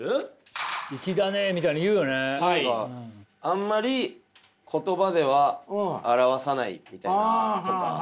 あんまり言葉では表さないみたいなとか。